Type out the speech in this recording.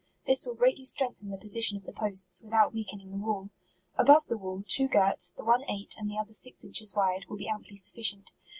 This will greatly strengthen the position of the posts, without weakening the wall. Above the wall, two girts, the one eight, and the other six inches wide, will be amply sufficient.